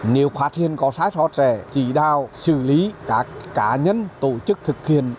nếu khóa thiên có sai thoát sẽ chỉ đạo xử lý các cá nhân tổ chức thực hiện